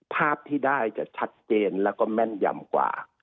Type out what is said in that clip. ภาพที่ได้จะชัดเจนแล้วก็แม่นยำกว่า